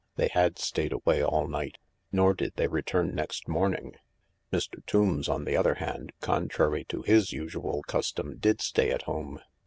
They had stayed away all night. Nor did they return next morning. Mr. Tombs, on the other hand, contrary to his usual custom, did stay at home.